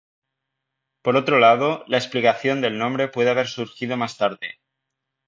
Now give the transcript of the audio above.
Por otro lado, la explicación del nombre puede haber surgido más tarde.